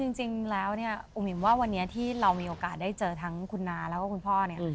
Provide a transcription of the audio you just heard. จริงแล้วเนี่ยอุ๋มอิ๋มว่าวันนี้ที่เรามีโอกาสได้เจอทั้งคุณน้าแล้วก็คุณพ่อเนี่ย